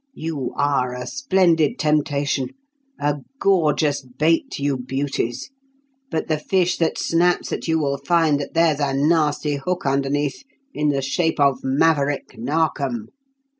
You are a splendid temptation; a gorgeous bait, you beauties; but the fish that snaps at you will find that there's a nasty hook underneath in the shape of Maverick Narkom.